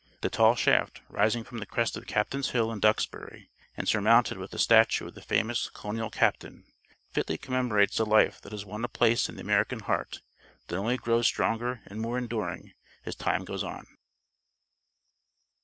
The tall shaft, rising from the crest of Captain's Hill in Duxbury, and surmounted with a statue of the famous colonial captain, fitly commemorates a life that has won a place in the American heart that only grows stronger and more enduring as time goes on.